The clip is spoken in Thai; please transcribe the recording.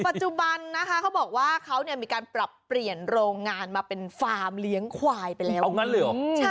ปัจจุบันเขาบอกว่าเขามีการปรับเปลี่ยนโรงงานมาเป็นฟาร์มเลี้ยงควายไปแล้ว